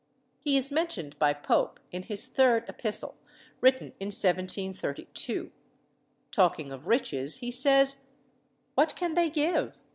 He is mentioned by Pope in his 3d epistle, written in 1732. Talking of riches, he says "What can they give?